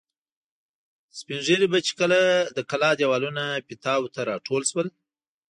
سپین ږیري به چې کله د کلا دېوالونو پیتاوو ته را ټول شول.